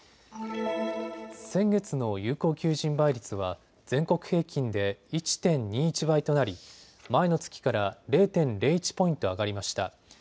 先月の有効求人倍率は全国平均で１．２１倍となり前の月から０．０１ポイント上がりました。